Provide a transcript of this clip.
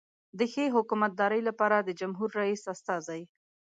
د ښې حکومتدارۍ لپاره د جمهور رئیس استازی.